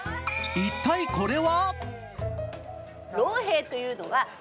一体これは？